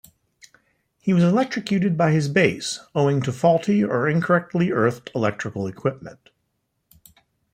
He was electrocuted by his bass owing to faulty or incorrectly earthed electrical equipment.